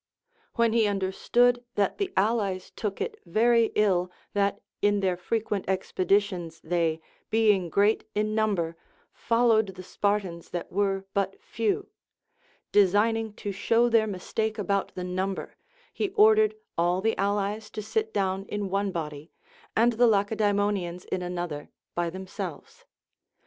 When he understood that the allies took it very ill, that in their frequent expeditions they, being great in number, followed the Spartans that were but few ; de signing to show their mistake about the number, he ordered all the allies to sit down in one body and the Lacedaemo nians in another by themselves.